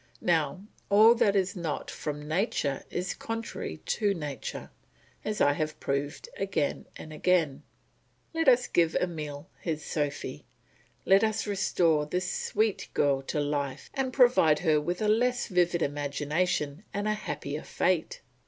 Now, all that is not from nature is contrary to nature, as I have proved again and again. Let us give Emile his Sophy; let us restore this sweet girl to life and provide her with a less vivid imagination and a happier fate.